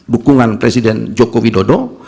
dukungan presiden joko widodo